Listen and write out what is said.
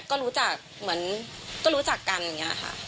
ก็รู้จักกันอย่างนี้ค่ะ